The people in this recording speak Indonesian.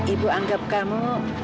ibu anggap kamu